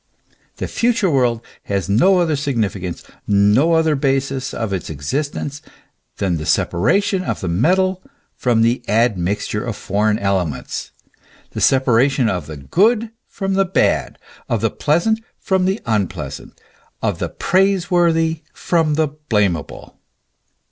The future world has no other significance, no other basis of its existence, than the separation of the metal from the admixture of foreign elements, the se paration of the good from the bad, of the pleasant from the unpleasant, of the praiseworthy from the blamable.